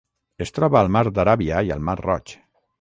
Es troba al Mar d'Aràbia i al Mar Roig.